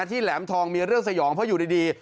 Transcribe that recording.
แหลมทองมีเรื่องสยองเพราะอยู่ดี